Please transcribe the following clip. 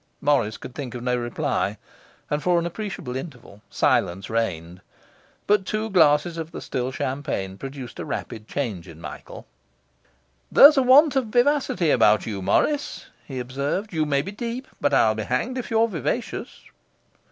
Morris could think of no reply, and for an appreciable interval silence reigned. But two glasses of the still champagne produced a rapid change in Michael. 'There's a want of vivacity about you, Morris,' he observed. 'You may be deep; but I'll be hanged if you're vivacious!